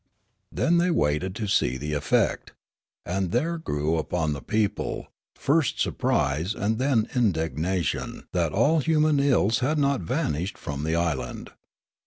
Then the)' waited to see the effect ; and there grew upon the people, first surprise, and then indignation that all human ills had not vanished from the island.